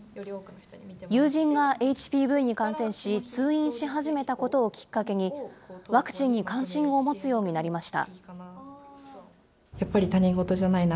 友人がＨＰＶに感染し、通院し始めたことをきっかけに、ワクチンに関心を持つようになりました。